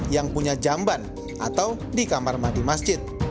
yang punya jamban atau di kamar mandi masjid